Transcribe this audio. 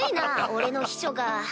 俺の秘書が。